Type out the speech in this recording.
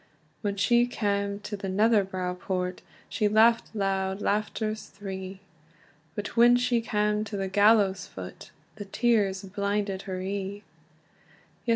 When she cam to the Netherbow Port, She laughed loud laughters three; But when she cam to the gallows foot, The tears blinded her ee.